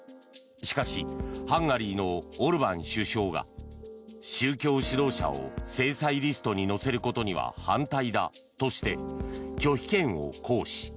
しかしハンガリーのオルバン首相が宗教指導者を制裁リストに載せることには反対だとして拒否権を行使。